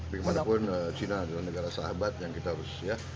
bagaimanapun china adalah negara sahabat yang kita harus ya